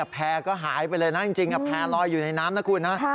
แพร่ก็หายไปเลยนะจริงแพร่ลอยอยู่ในน้ำนะคุณนะ